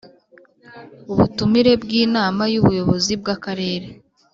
Ubutumire bw Inama y Ubuyobozi bw Akarere